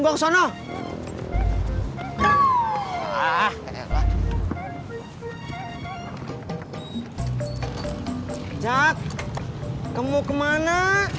cak kamu mau kemana